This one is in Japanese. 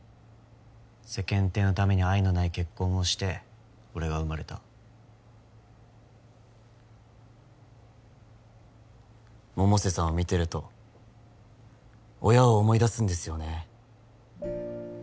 世間体のために愛のない結婚をして俺が生まれた百瀬さんを見てると親を思い出すんですよね